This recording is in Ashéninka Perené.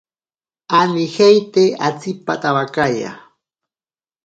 Anijeite atsipatabakaya.